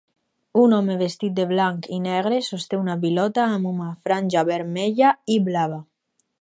Un home vestit de blanc i negre sosté una pilota amb una franja vermella i blava.